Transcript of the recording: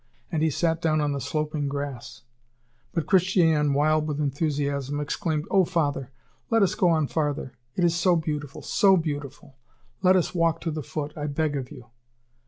And he sat down on the sloping grass. But Christiane, wild with enthusiasm, exclaimed: "Oh! father, let us go on farther! It is so beautiful! so beautiful! Let us walk to the foot, I beg of you!"